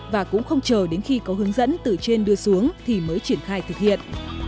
và cũng không chờ đến khi có hướng dẫn từ trên đưa xuống thì mới triển khai thực hiện